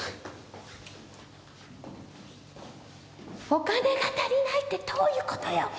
お金が足りないってどういう事よ！？